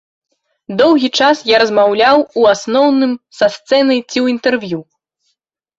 Доўгі час я размаўляў у асноўным са сцэны ці ў інтэрв'ю.